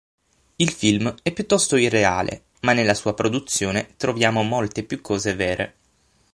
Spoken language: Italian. Il film è piuttosto irreale ma nella sua produzione troviamo molte più cose vere.